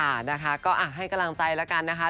นะคะก็ให้กำลังใจแล้วกันนะคะ